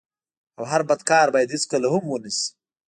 او هر بد کار بايد هيڅکله هم و نه سي.